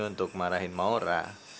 untuk marahin maura